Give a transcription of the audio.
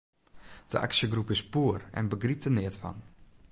De aksjegroep is poer en begrypt der neat fan.